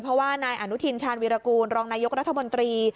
เพราะว่านายอนุทินชาญวีรกูลรองนายกรัฐมนตรี